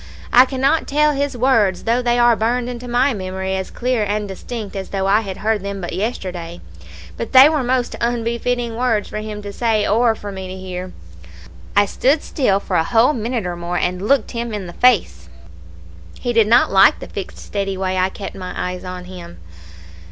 I cannot tell his words, though they are burned into my memory as clear and distinct as though I had heard them but yesterday, but they were most unbefitting words for him to say or for me to hear. "I stood still for a whole minute or more, and looked him in the face. He did not like the fixed steady way I kept my eyes on him.